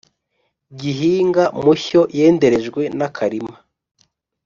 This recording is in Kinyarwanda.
gihinga mushyo yenderejwe nakarima.